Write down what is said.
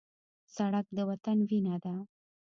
سړک د وطن وینه ده.